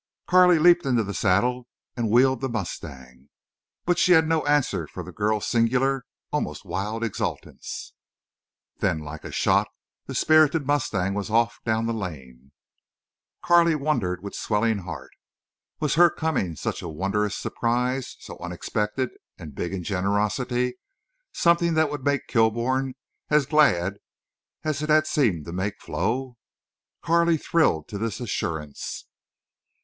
Carley leaped into the saddle and wheeled the mustang. But she had no answer for the girl's singular, almost wild exultance. Then like a shot the spirited mustang was off down the lane. Carley wondered with swelling heart. Was her coming such a wondrous surprise—so unexpected and big in generosity—something that would make Kilbourne as glad as it had seemed to make Flo? Carley thrilled to this assurance.